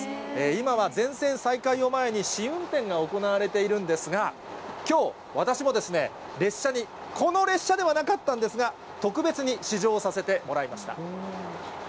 今は全線再開を前に、試運転が行われているんですが、きょう、私も列車に、この列車ではなかったんですが、特別に試乗させてもらいました。